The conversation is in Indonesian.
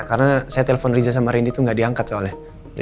karena saya telepon riza sama randy tuh gak diangkat soalnya